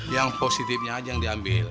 yang positifnya aja yang diambil